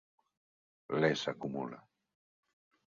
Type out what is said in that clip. Les acumula.